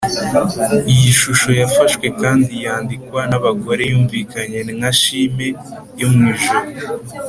iyi shusho yafashwe kandi yandikwa nabagore yumvikanye nka chime yo mwijuru.